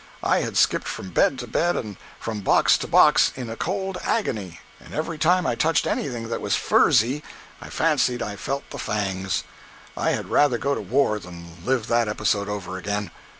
I had skipped from bed to bed and from box to box in a cold agony, and every time I touched anything that was furzy I fancied I felt the fangs. I had rather go to war than live that episode over again.